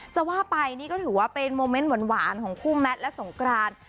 จะว่าไปนี่ก็ถือว่าเป็นโมเมนต์หวานของคู่แมทและสงกราน